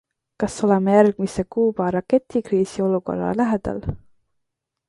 Kas oleme järgmise Kuuba raketikriisi olukorra lähedal?